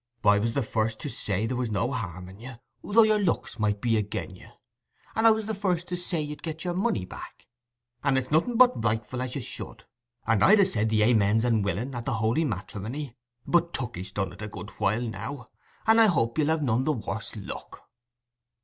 I was the first to say there was no harm in you, though your looks might be again' you; and I was the first to say you'd get your money back. And it's nothing but rightful as you should. And I'd ha' said the "Amens", and willing, at the holy matrimony; but Tookey's done it a good while now, and I hope you'll have none the worse luck."